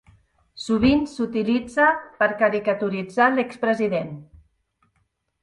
Sovint s'utilitza per caricaturitzar l'expresident.